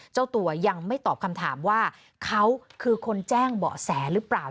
เจ้าตัวยังไม่ตอบคำถามว่าเขาคือคนแจ้งเบาะแสหรือเปล่า